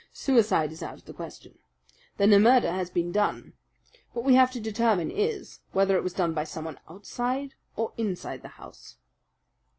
Suicide is out of the question. Then a murder has been done. What we have to determine is, whether it was done by someone outside or inside the house."